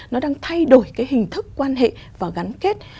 nó đang thay đổi cái hình thức quan hệ và gắn kết